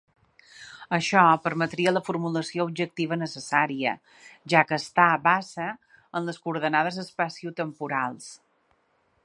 Això permetria la formulació objectiva necessària, ja que està basa en les coordenades espaciotemporals.